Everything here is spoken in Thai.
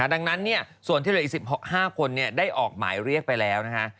ดังนั้นส่วนที่เหลืออีก๑๕คนได้ออกหมายเรียกไปแล้วนะฮะ